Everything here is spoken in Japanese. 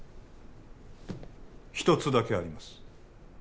一つだけあります